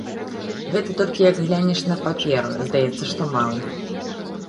Гэта толькі, як глянеш на паперу, здаецца, што мала.